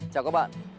chào các bạn